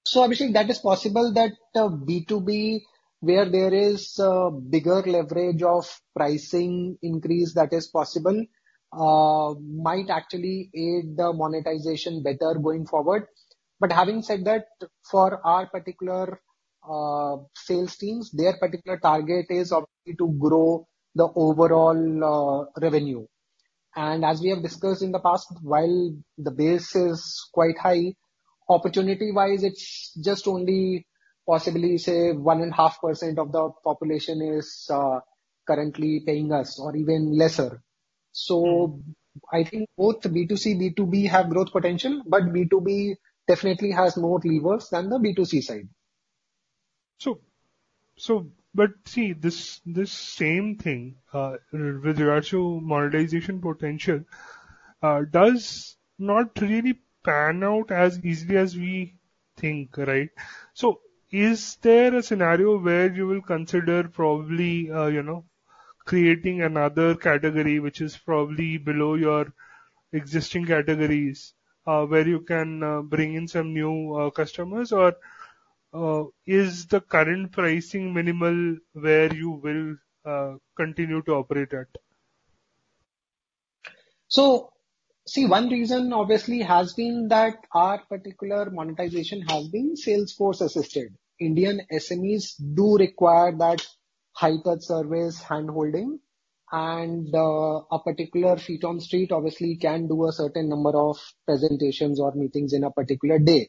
So, Abhishek, that is possible that, B2B, where there is a bigger leverage of pricing increase that is possible, might actually aid the monetization better going forward. But having said that, for our particular, sales teams, their particular target is obviously to grow the overall, revenue. And as we have discussed in the past, while the base is quite high, opportunity-wise, it's just only possibly, say, 1.5% of the population is, currently paying us, or even lesser. So I think both B2C, B2B have growth potential, but B2B definitely has more levers than the B2C side. But see, this same thing with regards to monetization potential does not really pan out as easily as we think, right? So is there a scenario where you will consider probably, you know, creating another category which is probably below your existing categories, where you can bring in some new customers? Or, is the current pricing minimal where you will continue to operate at? So, see, one reason obviously has been that our particular monetization has been sales force-assisted. Indian SMEs do require that hyper service handholding, and a particular feet on street obviously can do a certain number of presentations or meetings in a particular day.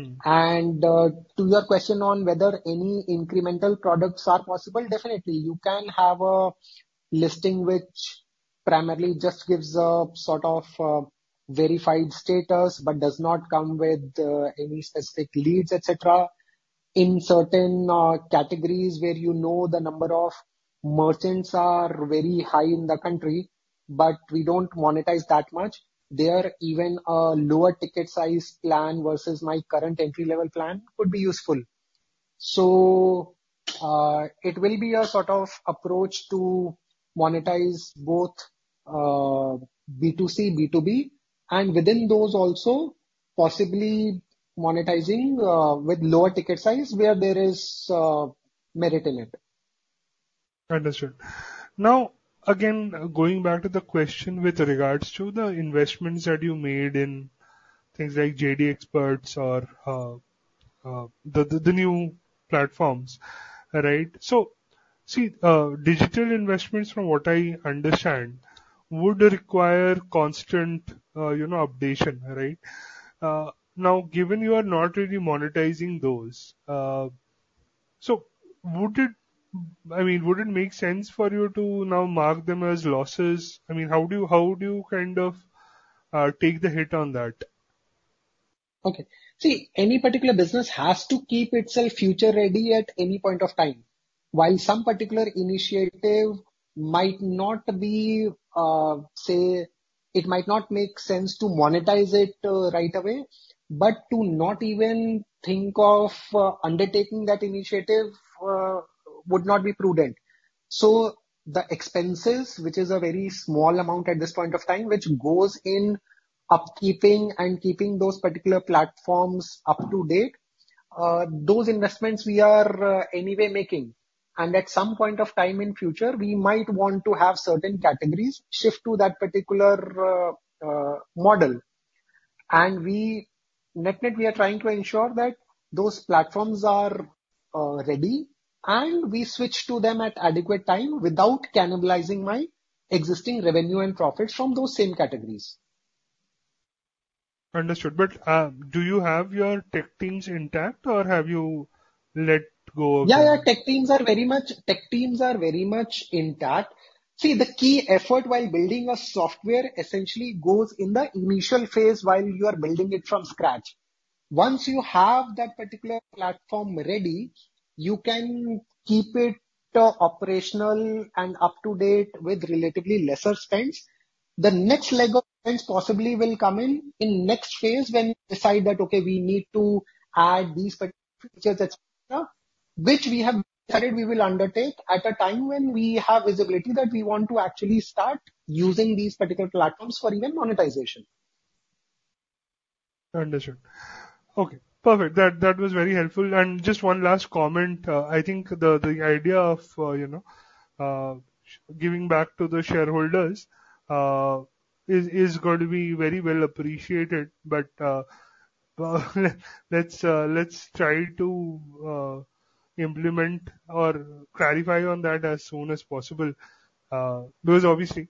Mm. To your question on whether any incremental products are possible, definitely. You can have a listing which primarily just gives a sort of a verified status, but does not come with any specific leads, et cetera. In certain categories where you know the number of merchants are very high in the country, but we don't monetize that much, there, even a lower ticket size plan versus my current entry-level plan could be useful. So, it will be a sort of approach to monetize both B2C, B2B, and within those also, possibly monetizing with lower ticket size where there is merit in it. Understood. Now, again, going back to the question with regards to the investments that you made in things like JD Xperts or the new platforms, right? So, see, digital investments, from what I understand, would require constant, you know, updation, right? Now, given you are not really monetizing those, so would it make sense for you to now mark them as losses? I mean, how do you kind of take the hit on that? Okay. See, any particular business has to keep itself future-ready at any point of time. While some particular initiative might not be, say, it might not make sense to monetize it right away, but to not even think of undertaking that initiative would not be prudent. So the expenses, which is a very small amount at this point of time, which goes in upkeep and keeping those particular platforms up to date, those investments we are anyway making. And at some point of time in future, we might want to have certain categories shift to that particular model. And we, net-net, we are trying to ensure that those platforms are ready, and we switch to them at adequate time without cannibalizing my existing revenue and profits from those same categories. Understood. But, do you have your tech teams intact, or have you let go of them? Yeah, yeah, tech teams are very much. Tech teams are very much intact. See, the key effort while building a software essentially goes in the initial phase while you are building it from scratch. Once you have that particular platform ready, you can keep it operational and up-to-date with relatively lesser spends. The next leg of spends possibly will come in in next phase, when we decide that, okay, we need to add these particular features, et cetera, which we have decided we will undertake at a time when we have visibility that we want to actually start using these particular platforms for even monetization. Understood. Okay, perfect. That was very helpful. And just one last comment. I think the idea of, you know, giving back to the shareholders, is going to be very well appreciated, but let's try to implement or clarify on that as soon as possible. Because obviously,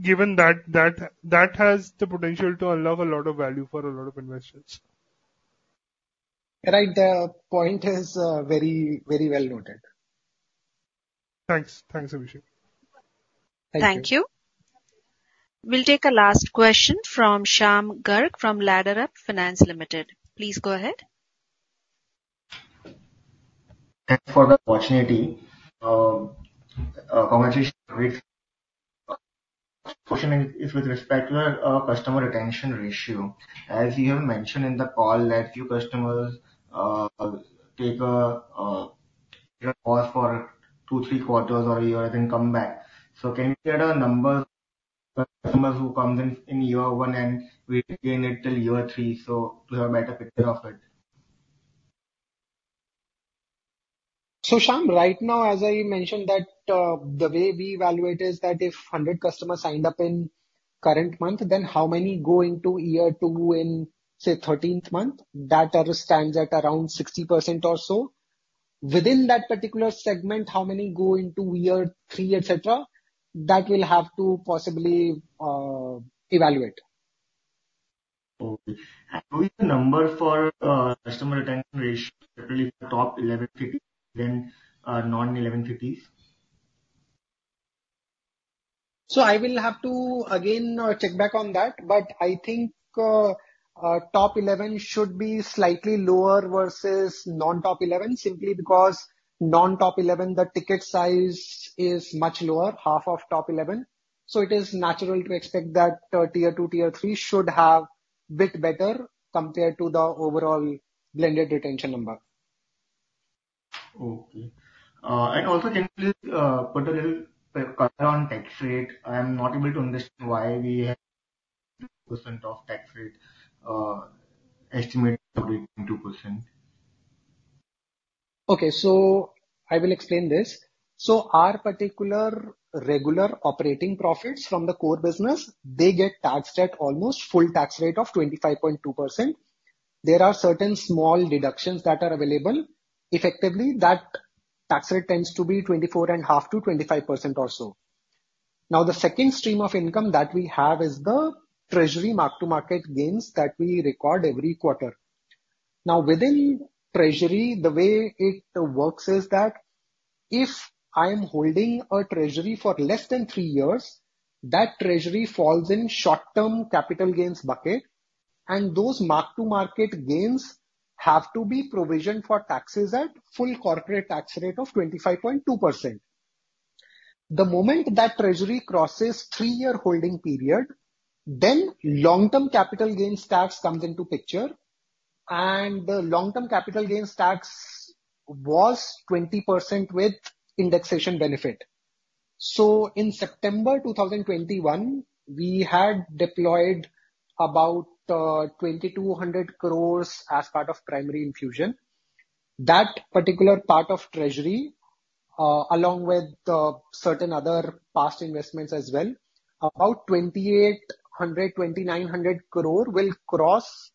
given that has the potential to unlock a lot of value for a lot of investors. Right. The point is, very, very well noted. Thanks. Thanks, Abhishek. Thank you. Thank you. We'll take a last question from Shyam Garg from Ladderup Finance Limited. Please go ahead. Thanks for the opportunity. Congratulations with... Question is with respect to customer retention ratio. As you have mentioned in the call, that your customers take a pause for 2, 3 quarters or a year, then come back. So can you share the numbers of customers who come in in year 1, and we retain it till year 3, so to have a better picture of it? So, Shyam, right now, as I mentioned, that the way we evaluate is that if 100 customers signed up in current month, then how many go into year two in, say, 13th month? That ratio stands at around 60% or so. Within that particular segment, how many go into year three, et cetera? That we'll have to possibly evaluate. Okay. And what is the number for customer retention ratio, particularly the top 11 cities, then non-11 cities? So I will have to again check back on that, but I think top eleven should be slightly lower versus non-top eleven, simply because non-top eleven, the ticket size is much lower, half of top eleven. So it is natural to expect that Tier 2, Tier 3 should have bit better compared to the overall blended retention number. Okay. And also, can you please put a little color on tax rate? I am not able to understand why we have percent of tax rate estimate 22%. Okay, so I will explain this. So our particular regular operating profits from the core business, they get taxed at almost full tax rate of 25.2%. There are certain small deductions that are available. Effectively, that tax rate tends to be 24.5%-25% or so. Now, the second stream of income that we have is the treasury mark-to-market gains that we record every quarter. Now, within treasury, the way it works is that, if I am holding a treasury for less than three years, that treasury falls in short-term capital gains bucket, and those mark-to-market gains have to be provisioned for taxes at full corporate tax rate of 25.2%. The moment that treasury crosses three-year holding period, then long-term capital gains tax comes into picture, and the long-term capital gains tax was 20% with indexation benefit. So in September 2021, we had deployed about 2,200 crore as part of primary infusion. That particular part of treasury, along with certain other past investments as well, about 2,800-2,900 crore, will cross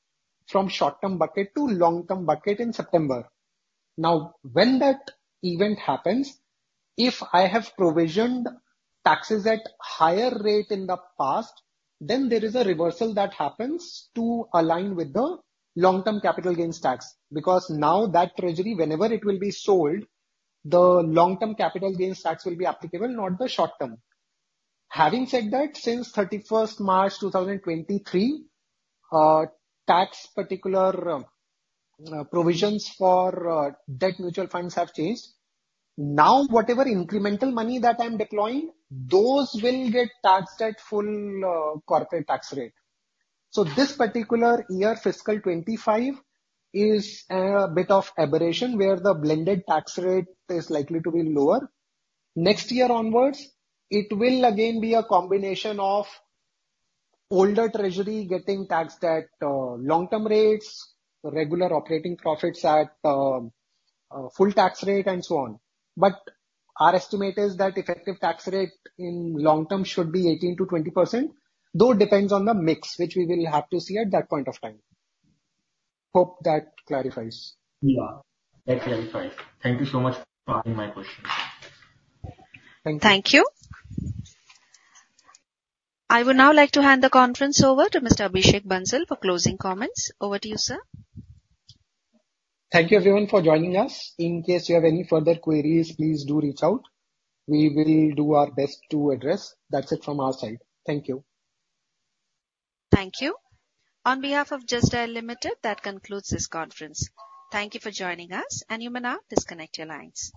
from short-term bucket to long-term bucket in September. Now, when that event happens, if I have provisioned taxes at higher rate in the past, then there is a reversal that happens to align with the long-term capital gains tax. Because now that treasury, whenever it will be sold, the long-term capital gains tax will be applicable, not the short term. Having said that, since March 31, 2023, tax particular provisions for debt mutual funds have changed. Now, whatever incremental money that I'm deploying, those will get taxed at full corporate tax rate. So this particular year, fiscal 25, is a bit of aberration, where the blended tax rate is likely to be lower. Next year onwards, it will again be a combination of older treasury getting taxed at long-term rates, regular operating profits at full tax rate, and so on. But our estimate is that effective tax rate in long term should be 18%-20%, though it depends on the mix, which we will have to see at that point of time. Hope that clarifies. Yeah, that clarifies. Thank you so much for answering my question. Thank you. Thank you. I would now like to hand the conference over to Mr. Abhishek Bansal for closing comments. Over to you, sir. Thank you everyone for joining us. In case you have any further queries, please do reach out. We will do our best to address. That's it from our side. Thank you. Thank you. On behalf of Just Dial Limited, that concludes this conference. Thank you for joining us, and you may now disconnect your lines.